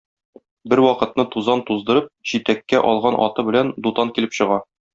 Бервакытны тузан туздырып, җитәккә алган аты белән, Дутан килеп чыга.